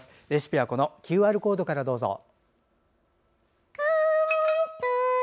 レシピはこのＱＲコードからどうぞ。